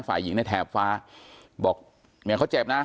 ฝ่ายหญิงในแถบฟ้าบอกเนี่ยเขาเจ็บนะ